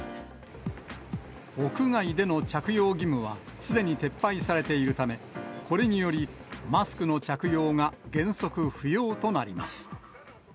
屋外での着用義務はすでに撤廃されているため、これにより、マスクの着用が原則不要となります。